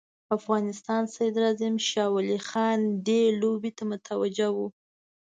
افغانستان صدراعظم شاه ولي خان دې لوبې ته متوجه وو.